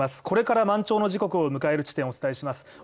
これから満潮の時刻を迎える時点をお伝えします。